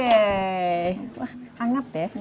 wah hangat ya